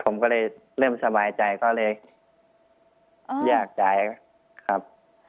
ผมก็เลยเริ่มสบายใจก็เลยยากใจครับ